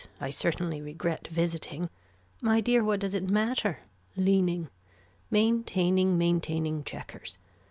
I certainly regret visiting. My dear what does it matter. Leaning. Maintaining maintaining checkers.